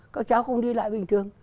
các cháu không đi lại bình thường